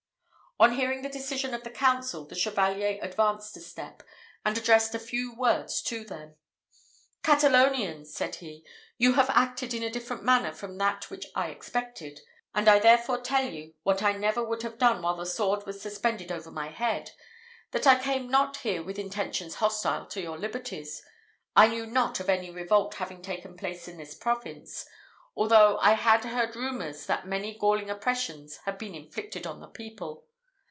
On hearing the decision of the council, the Chevalier advanced a step, and addressed a few words to them. "Catalonians," said he, "you have acted in a different manner from that which I expected, and I therefore tell you, what I never would have done while the sword was suspended over my head that I came not here with intentions hostile to your liberties. I knew not of any revolt having taken place in this province, although I had heard rumours that many galling oppressions had been inflicted on the people.